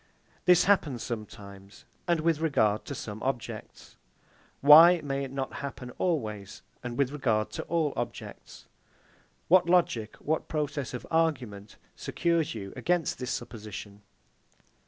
This happens sometimes, and with regard to some objects: Why may it not happen always, and with regard to all objects? What logic, what process of argument secures you against this supposition?